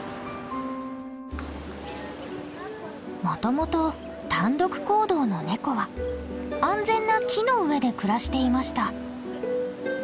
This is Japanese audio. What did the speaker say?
もともと単独行動のネコは安全な木の上で暮らしていました。